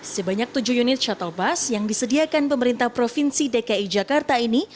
sebanyak tujuh unit shuttle bus yang disediakan pemerintah provinsi dki jakarta ini